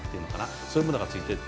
そういうものがついていて。